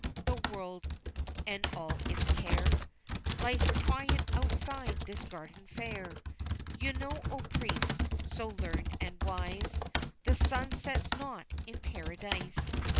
the world and all its care Lies quite outside this garden fair, You know, O Priest, so learned and wise The sun sets not in Paradise.